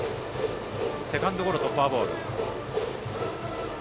セカンドゴロとフォアボール。